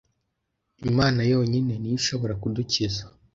Imana yonyine ni Yo ishobora kudukiza,